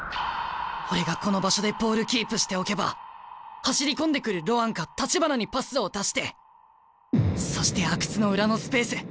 俺がこの場所でボールキープしておけば走り込んでくるロアンか橘にパスを出してそして阿久津の裏のスペース！